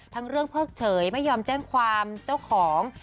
เรื่องเพิกเฉยไม่ยอมแจ้งความเจ้าของ